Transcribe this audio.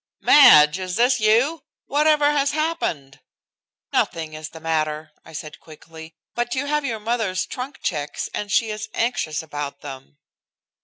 "Madge, is this you? Whatever has happened?" "Nothing is the matter," I said quickly, "but you have your mother's trunk checks, and she is anxious about them."